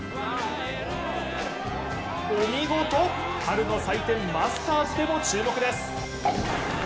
お見事、春の祭典マスターズでも注目です。